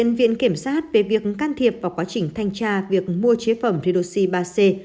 đại diện viện kiểm soát về việc can thiệp vào quá trình thanh tra việc mua chế phẩm ridosy ba c